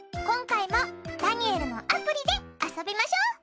今回もダニエルのアプリで遊びましょ！